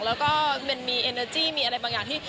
แล้วก็มันมีเอเนอร์จี้มีอะไรบางอย่างที่